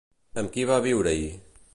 Amb qui va viure-hi?